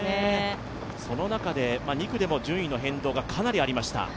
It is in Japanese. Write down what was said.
その中で２区でも順位の変動がかなりありました。